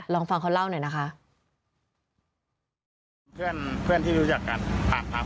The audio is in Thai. ลองฟังเขาเล่าหน่อยนะคะ